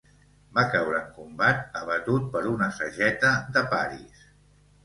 Va caure en combat abatut per una sageta de Paris.